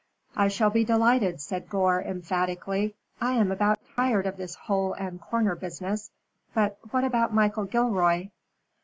"I shall be delighted," said Gore, emphatically. "I am about tired of this hole and corner business. But what about Michael Gilroy?"